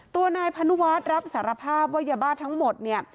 ตัวนายพนุวัฒน์รับสารภาพว่ายาบ้าทั้งหมดเนี่ย